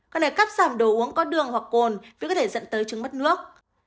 các này cắt giảm đồ uống có đường hoặc cồn vì có thể dẫn tới chứng mất nước